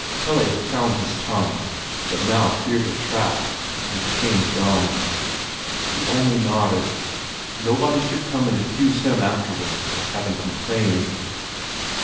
Pelle had found his tongue, but now feared a trap, and became dumb. He only nodded. Nobody should come and accuse him afterward of having complained.